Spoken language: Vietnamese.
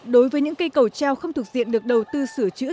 đối với những cây cầu treo không thuộc diện được đầu tư sửa chữa